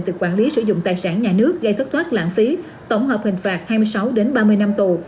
từ quản lý sử dụng tài sản nhà nước gây thất thoát lãng phí tổng hợp hình phạt hai mươi sáu ba mươi năm tù